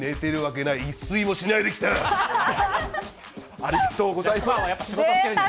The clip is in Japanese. ありがとうございます。